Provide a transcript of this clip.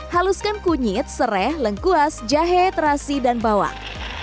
haluskan kunyit serai lengkuas jahe terasi dan bawang